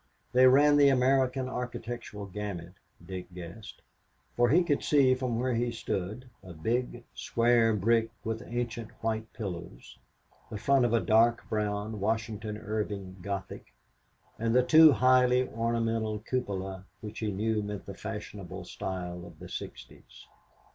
They ran the American architectural gamut, Dick guessed, for he could see from where he stood a big, square brick with ancient white pillars, the front of a dark brown, Washington Irving Gothic, and the highly ornamental cupola which he knew meant the fashionable style of the sixties.